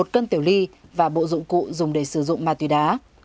một cân tiểu ly và bộ dụng cụ dùng để sử dụng ma túy đá